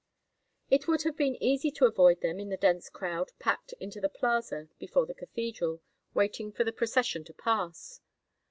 It would have been easy to avoid them in the dense crowd packed into the plaza before the cathedral, waiting for the procession to pass.